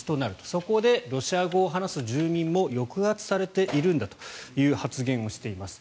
そこでロシア語を話す住民も抑圧されているんだという発言をしています。